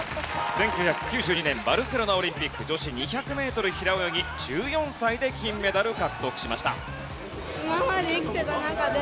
１９９２年バルセロナオリンピック女子２００メートル平泳ぎ１４歳で金メダル獲得しました。